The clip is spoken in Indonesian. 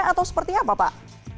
atau seperti apa pak